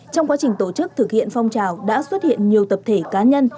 trong quá trình tổ chức thực hiện phong trào đã xuất hiện nhiều tập thể cá nhân